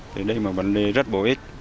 thì đây là vấn đề rất bổ ích